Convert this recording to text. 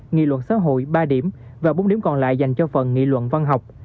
nghị luận xã hội ba điểm và bốn điểm còn lại dành cho phần nghị luận văn học